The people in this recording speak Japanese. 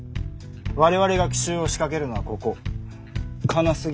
我々が奇襲を仕掛けるのはここ金杉橋だ。